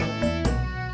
jalannya cepat amat